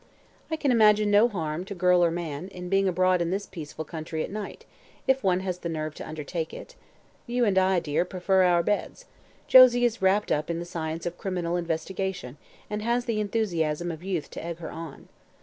"I can imagine no harm, to girl or man, in being abroad in this peaceful country at night, if one has the nerve to undertake it. You and I, dear, prefer our beds. Josie is wrapped up in the science of criminal investigation and has the enthusiasm of youth to egg her on.